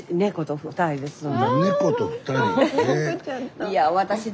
いや私の。